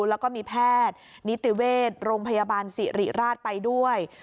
แล้วก็มีแพทย์นิติเวชโรงพยาบาลสิริราชไปด้วย